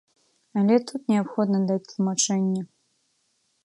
Але тут неабходна даць тлумачэнне.